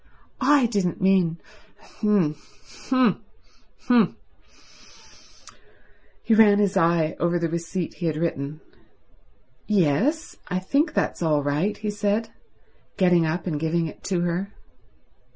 "I didn't mean—h'm, h'm, h'm—" He ran his eye over the receipt he had written. "Yes, I think that's all right," he said, getting up and giving it to her.